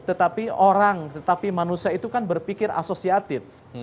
tetapi manusia itu berpikir asosiatif